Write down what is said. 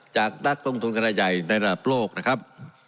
นักลงทุนขนาดใหญ่ในระดับโลกนะครับ